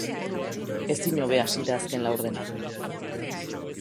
Ezin hobe hasi da azken laurdena.